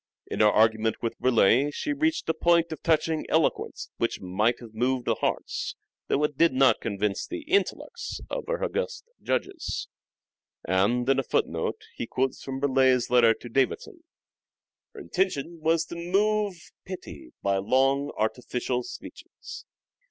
In her argument with Burleigh she reached a point of touching eloquence which might have moved the hearts, though it did not convince the intellects, of her august judges." And, in a footnote, he quotes from Burleigh's letter to Davison, " Her intention was to move pity by long, artificial speeches."